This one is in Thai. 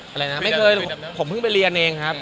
คุยกันอยู่ครับคุยกันอยู่ครับ